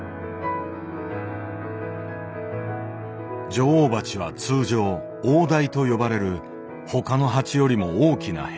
女王蜂は通常「王台」と呼ばれる他の蜂よりも大きな部屋の中で生まれる。